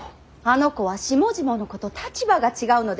あの子は下々の子と立場が違うのですよ。